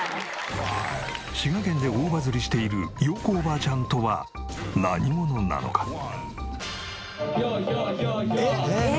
滋賀県で大バズりしている陽子おばあちゃんとは何者なのか？